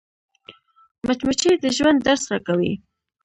مچمچۍ د ژوند درس راکوي